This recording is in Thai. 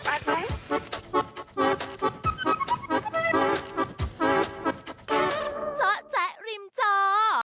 เจ้าแจ๊กริมเจ้า